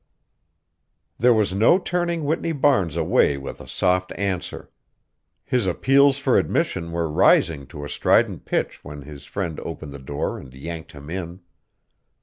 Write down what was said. There was no turning Whitney Barnes away with a soft answer. His appeals for admission were rising to a strident pitch when his friend opened the door and yanked him in.